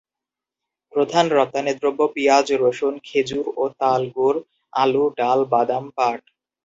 প্রধান রপ্তানিদ্রব্য পিঁয়াজ, রসুন, খেজুর ও তাল গুড়, আলু, ডাল, বাদাম, পাট।